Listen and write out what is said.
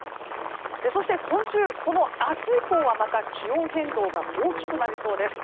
そして今週明日以降はまた気温変動が大きくなりそうです。